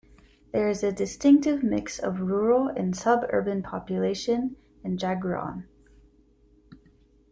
There is a distinctive mix of rural and sub-urban population in Jagraon.